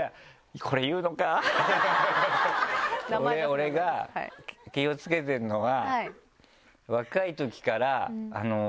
俺が気を付けてるのが。